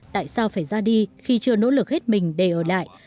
tại sao phải ra đi khi chưa nỗ lực hết mình để ở lại